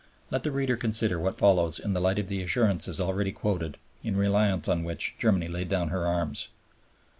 Let the reader consider what follows in the light of the assurances already quoted, in reliance on which Germany laid down her arms.